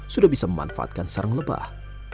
sudah bisa memanfaatkan sarang lebah